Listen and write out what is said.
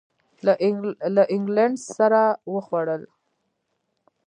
له اینګلینډ سره وخوړل.